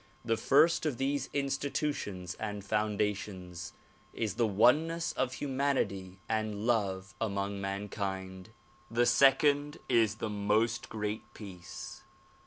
The first of these institu tions and foundations is the oneness of humanity and love among mankind. The second is the "Most Great Peace."